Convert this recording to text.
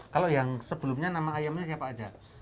kalau yang sebelumnya nama ayamnya siapa aja